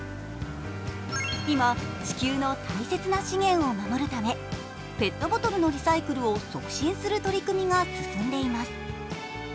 今、地球の大切な資源を守るためペットボトルのリサイクルを促進する取り組みが進んでいます。